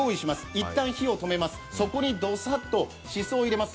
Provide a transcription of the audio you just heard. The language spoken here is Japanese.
一旦火を止めます、そこにドサッとしそを入れます。